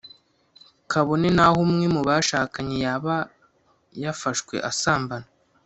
kabone naho umwe mu bashakanye yaba yafashwe asambana